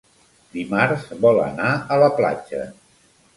Dimarts vol anar a la platja.